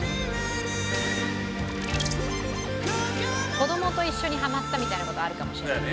子供と一緒にハマったみたいな事あるかもしれないですね。